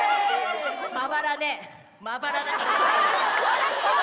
まばらねまばらだから。